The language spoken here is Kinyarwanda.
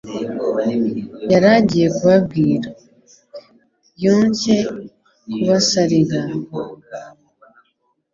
yari agiye kubabwira. Yongcye kubasariga,